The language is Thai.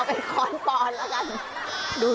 เอาเป็นค้อนฝนแล้วกัน